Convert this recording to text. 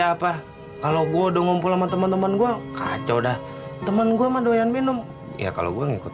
apa kalau gua udah ngumpul sama teman teman gua kacau dah teman gua madoyan minum ya kalau gua ngikut